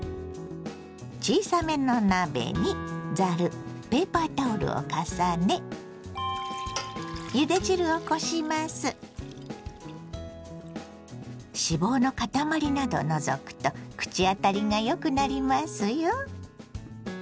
小さめの鍋にざるペーパータオルを重ね脂肪の塊などを除くと口当たりがよくなりますよ。